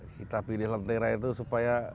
kita pilih lentera itu supaya